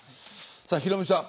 ヒロミさん